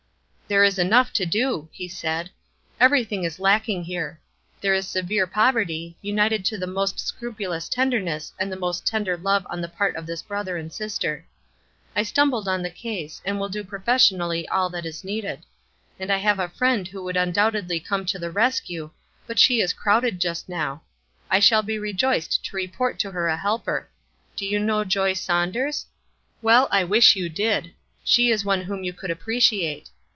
"There is enough to do," he said; "everything is lacking here; there is severe poverty, united to the most scrupulous tenderness and the most tender love on the part of this brother and sister. I stumbled on the case, and will do professionally all that is needed. And I have a friend who would undoubtedly come to the rescue, but she is crowded just now. I shall be rejoiced to report to her a helper. Do you know Joy Saunders? Well, I wish you did; she is one whom you could appreciate.